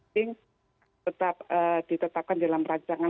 yang tetap ditetapkan dalam rancangan